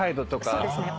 そうですね。